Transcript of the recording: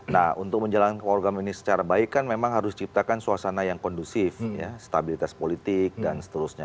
nah untuk menjalankan program ini secara baik kan memang harus diciptakan suasana yang kondusif stabilitas politik dan seterusnya